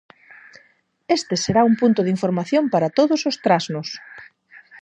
Este será un punto de información para todos os trasnos.